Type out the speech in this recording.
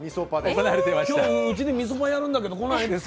今日うちでみそパやるんだけど来ない？って